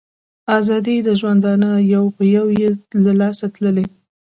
آزادۍ د ژوندانه یې یو په یو له لاسه تللي